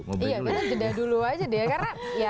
iya kita jeda dulu aja deh karena ya